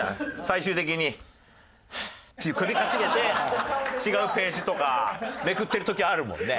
最終的に「はあ」って首かしげて違うページとかめくってる時あるもんね。